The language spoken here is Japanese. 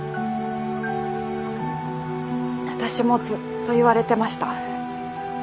私もずっと言われてました。